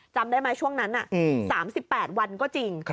จำได้ไหมช่วงนั้น๓๘วันก็จริง